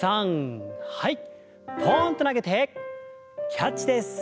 ポンと投げてキャッチです。